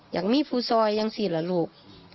อยากมีผู้สร้อยยังสิเหรอลูก